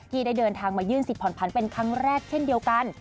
ได้เดินทางมายื่นสิทธิผ่อนผันเป็นครั้งแรกเช่นเดียวกัน